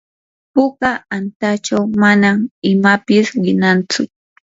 puka antachaw manan imapis winantsu.